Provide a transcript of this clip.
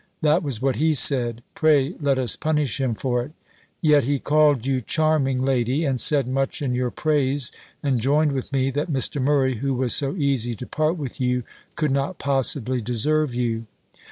That was what he said Pray let us punish him for it. Yet, he called you charming lady, and said much in your praise, and joined with me, that Mr. Murray, who was so easy to part with you, could not possibly deserve you.